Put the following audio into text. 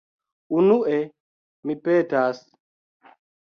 Unue, mi petas...